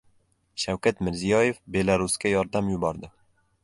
Shavkat Mirziyoyev Belarusga yordam yubordi